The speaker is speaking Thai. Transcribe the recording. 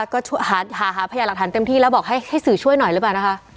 ก็หาหาพยาหลักฐานเต็มที่แล้วบอกให้สื่อช่วยหน่อยหรือเปล่านะคะ